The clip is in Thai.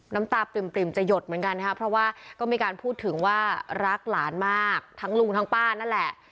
น้ำตาปริ่มจะหยดเหมือนกันนะครับเพราะว่าก็มีการพูดถึงว่ารักหลานมากทั้งลุงทั้งป้านั่นแหละ